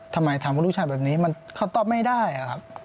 ทำไมทำกับลูกชายแบบนี้เขาตอบไม่ได้ครับ